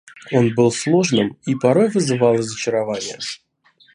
Он был сложным и порой вызывал разочарование.